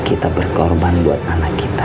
kita berkorban buat anak kita